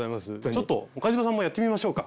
ちょっと岡嶋さんもやってみましょうか。